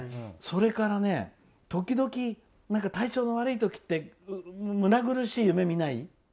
時々、体調が悪いときって胸苦しい夢見ない？